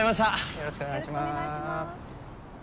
よろしくお願いします。